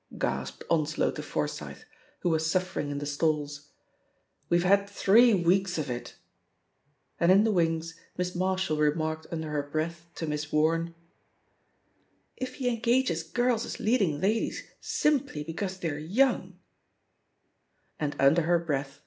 gasped Onslow to Forsyth, who was suifering in the stalls. "We've had three weeks of itl" And in the wings Miss Mar shall remarked under her breath to Miss Wame, "If he engages girls as leading ladies simply be cause they're young r . And, under her breath.